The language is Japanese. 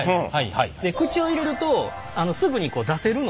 口に入れるとすぐに出せるので。